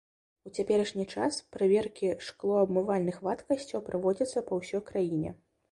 У цяперашні час праверкі шклоабмывальных вадкасцяў праводзяцца па ўсёй краіне.